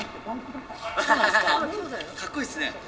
かっこいいですね。